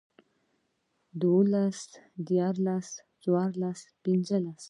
دولس ديارلس څوارلس پنځلس